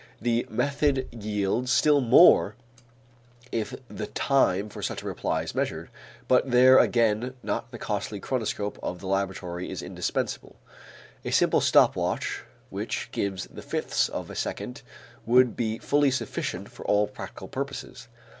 The method yields still more if the time for such a reply is measured, but there again not the costly chronoscope of the laboratory is indispensable; a simple stop watch which gives the fifths of a second would be fully sufficient for all practical purposes.